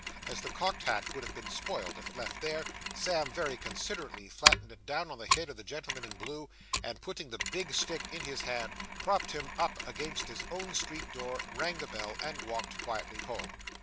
As the cocked hat would have been spoiled if left there, Sam very considerately flattened it down on the head of the gentleman in blue, and putting the big stick in his hand, propped him up against his own street door, rang the bell, and walked quietly home.